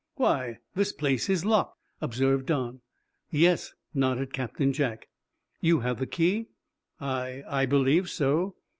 "Why, this place is locked," observed Don. "Yes," nodded Captain Jack. "You have the key?" "I I believe so."